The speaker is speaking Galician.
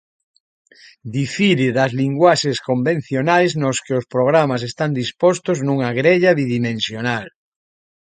Difire das linguaxes convencionais nos que os programas están dispostos nunha grella bidimensional.